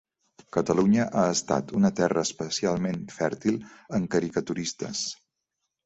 Catalunya ha estat una terra especialment fèrtil en caricaturistes.